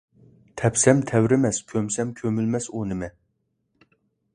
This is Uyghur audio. « تەپسەم تەۋرىمەس ، كۆمسەم كۆمۇلمەس» ئۇ نىمە ؟